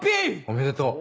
おめでとう。